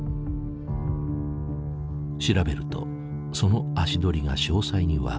調べるとその足取りが詳細に分かってきた。